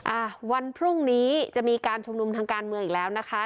อ่าวันพรุ่งนี้จะมีการชุมนุมทางการเมืองอีกแล้วนะคะ